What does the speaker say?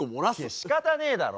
しかたねえだろ。